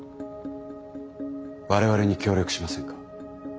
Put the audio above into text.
我々に協力しませんか？